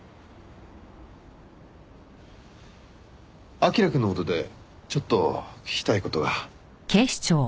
彬くんの事でちょっと聞きたい事が。